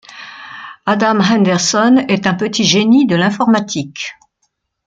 Adam Henderson est un petit génie de l'informatique.